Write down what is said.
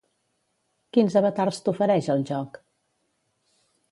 Quins avatars t'ofereix el joc?